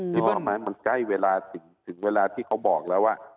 เนี้ยมึงสมมติว่ามันใกล้เวลาถึงเวลาที่เขาบอกแล้วว่า